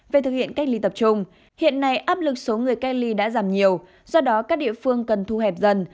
về thực hiện cách ly tập trung hiện nay áp lực số người cách ly đã giảm nhiều do đó các địa phương cần thu hẹp dần